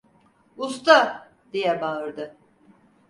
Usta! diye bağırdı.